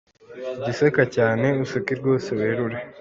Jya useka cyane, useke rwose werure.